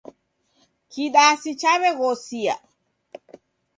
Kidasi chaw'eghosia.